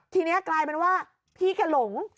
ทีนี้กลายเป็นว่าพี่แกหลง